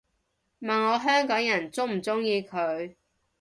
問我香港人鍾唔鍾意佢